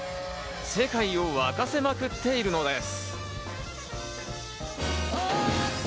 世界を沸かせまくっているのです。